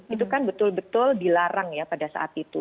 itu kan betul betul dilarang ya pada saat itu